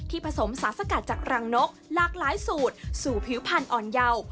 ผสมสารสกัดจากรังนกหลากหลายสูตรสู่ผิวพันธ์อ่อนเยา